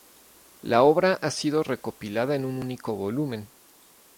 La obra ha sido recopilada en un único volumen.